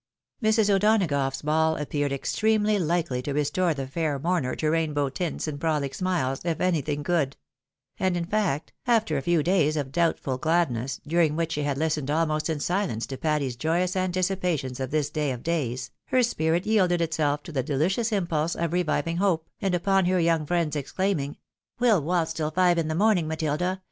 Mrs. O'Donagough's ball appeared extremely likely to restore the fair mourner to rainbow tints and frohc smiles, if anything could ; and in fact, after a few days of doubtful gladness, during which she had listened almost in silence to Patty's joyous anticipations of this day of days, her spirit yielded itself to the deUcious impulse of reviving hope, and upon her young friend's exclaiming, " We'll waltz till five in the morning, Matilda